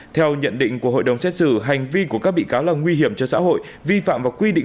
theo nhận định của hội đồng xét xử hành vi của các bị cáo là nguy hiểm cho xã hội vi phạm và quy định